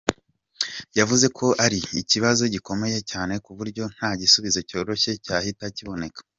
Yavuze ko ari ikibazo gikomeye cyane ku buryo nta gisubizo cyoroshye cyahita kiboneka.